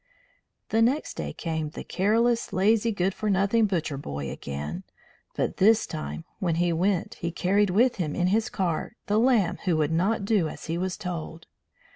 The next day came the careless, lazy, good for nothing butcher boy again, but this time when he went he carried with him in his cart the lamb who would not do as he was told.